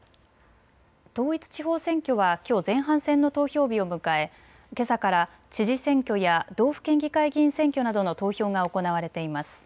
統一地方選挙はきょう前半戦の投票日を迎えけさから知事選挙や道府県議会議員選挙などの投票が行われています。